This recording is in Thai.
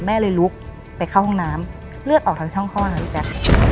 แม่เลยลุกไปเข้าห้องน้ำเลือดออกทางช่องคลอดนะพี่แจ๊ค